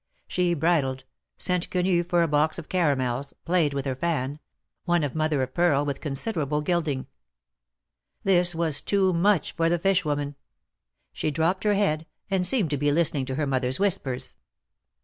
She bridled, sent Quenu for a box of caramels, played with her fan — one of mother of pearl with considerable gilding. This was too much for the fish woman. She dropped her head, and seemed to be listening to her mother's whispers.